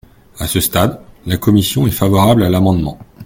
À ce stade, la commission est favorable à l’amendement.